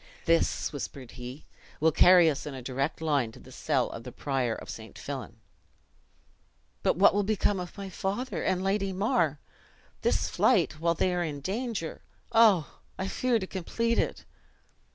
"This," whispered he, "will carry us in a direct line to the cell of the prior of St. Fillan." "But what will become of my father, and Lady Mar? This flight, while they are in danger! oh! I fear to complete it!"